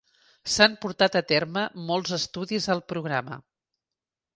S'han portat a terme molts estudis al programa.